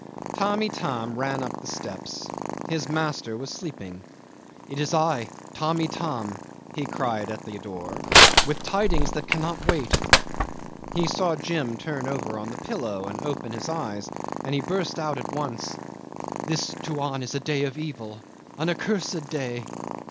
'Tamb' Itam ran up the steps. His master was sleeping. "It is I, Tamb' Itam," he cried at the door, "with tidings that cannot wait." He saw Jim turn over on the pillow and open his eyes, and he burst out at once. "This, Tuan, is a day of evil, an accursed day."